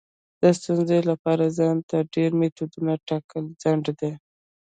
د ستونزې لپاره ځان ته ډیر میتودونه ټاکل خنډ دی.